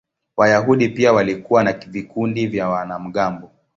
Wayahudi pia walikuwa na vikundi vya wanamgambo.